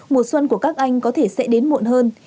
mùa xuân của các anh có thể sẽ đến muộn hơn